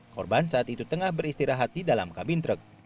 korban saat itu tengah beristirahat di dalam kabin truk